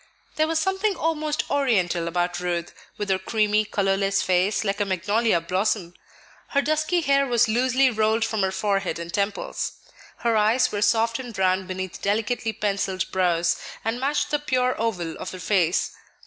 There was something almost Oriental about Ruth, with her creamy, colorless face, like a magnolia blossom; her dusky hair was loosely rolled from her forehead and temples; her eyes were soft and brown beneath delicately pencilled brows, and matched the pure oval of her face.